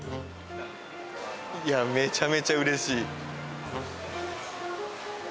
いやめちゃめちゃ嬉しい